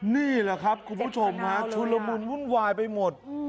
นี่แหละครับคุณผู้ชมฮะชุนละมุนวุ่นวายไปหมด